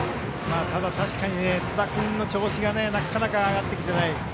確かに津田君の調子がなかなか上がってきていない